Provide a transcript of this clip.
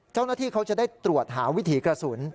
เจ้าหน้าที่เขาจะได้ตรวจหาวิถีกระสุน